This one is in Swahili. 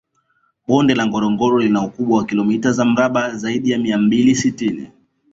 Bonde la Ngorongoro lina ukubwa wa kilomita za mraba zaidi ya mia mbili sitini